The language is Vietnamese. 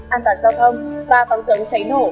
an toàn giao thông và phòng chống cháy nổ